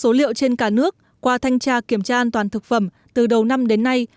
theo số liệu trên cả nước qua thanh tra kiểm tra an toàn thực phẩm từ đầu năm đến nay